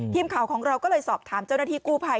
ทีมข่าวของเราก็เลยสอบถามเจ้าหน้าที่กู้ภัย